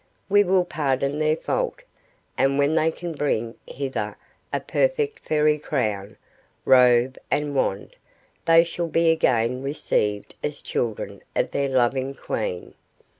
We will pardon their fault, and when they can bring hither a perfect Fairy crown, robe, and wand, they shall be again received as children of their loving Queen.